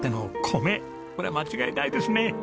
これ間違いないですね！